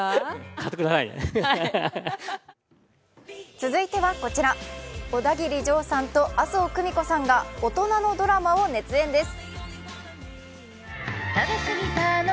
続いてはこちらオダギリジョーさんと麻生久美子さんが大人のドラマを熱演です。